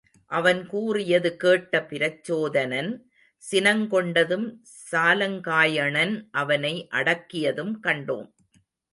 அவன் கூறியது கேட்ட பிரச்சோதனன், சினங்கொண்டதும் சாலங்காயணன் அவனை அடக்கியதும் கண்டோம்.